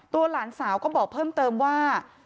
หลานสาวก็บอกเพิ่มเติมว่า